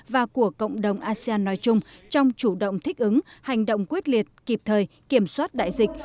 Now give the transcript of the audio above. và của cộng đồng asean nói chung trong chủ động thích ứng hành động quyết liệt kịp thời kiểm soát đại dịch